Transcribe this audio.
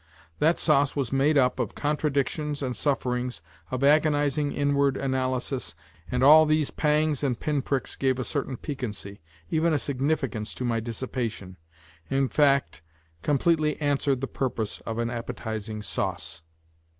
That sauce was made up of contradictions and sufferings, of agonizing inward analysis and all these pangs and pin pricks gave a certain piquancy, even a significance to my dissipation in fact, completely 94 NOTES FROM UNDERGROUND answered the purpose of an appetizing sauce.